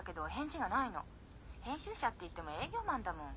編集者っていっても営業マンだもん。